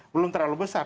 belum terlalu besar